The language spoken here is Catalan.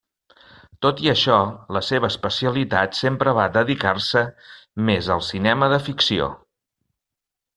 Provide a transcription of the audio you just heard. Tot i això, la seva especialitat sempre va dedicar-se més al cinema de ficció.